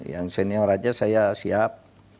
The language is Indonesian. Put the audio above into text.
yang senior aja saya siap